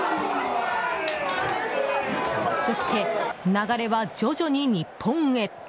そして、流れは徐々に日本へ。